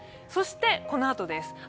そしてこのあとです。